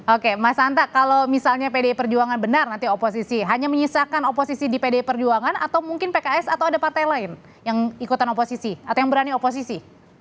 oke mas santa kalau misalnya pdi perjuangan benar nanti oposisi hanya menyisakan oposisi di pdi perjuangan atau mungkin pks atau ada partai lain yang ikutan oposisi atau yang berani oposisi